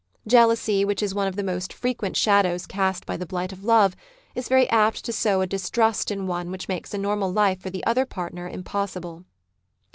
Jealousy, which is one of the most frequent shadows cast by the blight of love, is very apt to sow a distrust in one which makes a normal life for the other partner impossible.